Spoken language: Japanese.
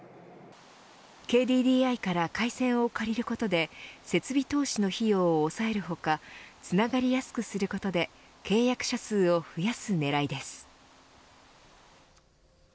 ＫＤＤＩから回線を借りることで設備投資の費用を抑える他つながりやすくすることで契約者数を増やす狙いです。